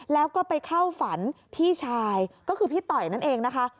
แล้วก็ไปเข้าฝันพี่ชายก็คือพี่ต่อยนั่นเองนะคะ